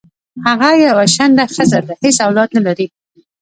هغه یوه شنډه خځه ده حیڅ اولاد نه لری